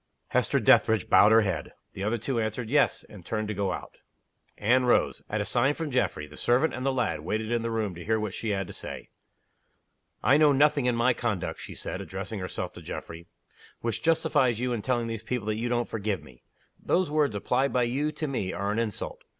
Hester Dethridge bowed her head. The other two answered, "Yes" and turned to go out. Anne rose. At a sign from Geoffrey, the servant and the lad waited in the room to hear what she had to say. "I know nothing in my conduct," she said, addressing herself to Geoffrey, "which justifies you in telling these people that you don't forgive me. Those words applied by you to me are an insult.